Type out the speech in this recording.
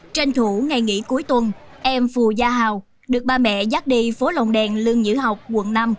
trên thủ ngày nghỉ cuối tuần em phù gia hào được ba mẹ dắt đi phố lòng đèn lương nhữ ngọc quận năm